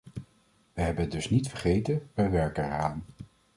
We hebben het dus niet vergeten; we werken eraan.